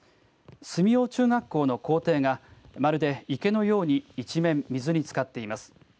住用中学校の校庭がまるで池のように一面水につかっています。